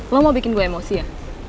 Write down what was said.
lo mau bikin gue emosi ya